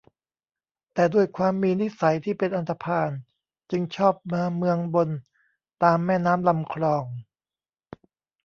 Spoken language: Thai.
แต่ด้วยความมีนิสัยที่เป็นอันธพาล จึงชอบมาเมืองบนตามแม่น้ำลำคลอง